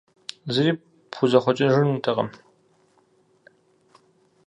Зыри пхузэхъуэкӀыжынутэкъым.